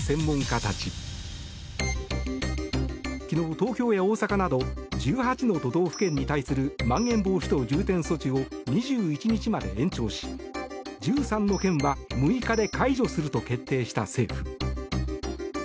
昨日、東京や大阪など１８の都道府県に対するまん延防止等重点措置を２１日まで延長し１３の県は６日で解除すると決定した政府。